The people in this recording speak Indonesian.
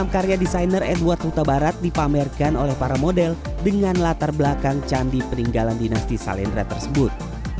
enam karya desainer edward huta barat dipamerkan oleh para model dengan latar belakang candi peninggalan dinasti salendra tersebut